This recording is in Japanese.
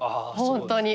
本当に。